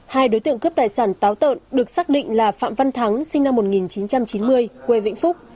hai đối tượng cướp tài sản táo tợn được xác định là phạm văn thắng sinh năm một nghìn chín trăm chín mươi quê vĩnh phúc